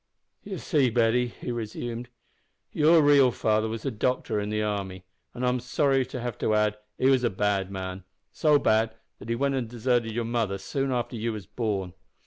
"You see, Betty," he resumed, "your real father was a doctor in the army, an' I'm sorry to have to add, he was a bad man so bad that he went and deserted your mother soon after you was born.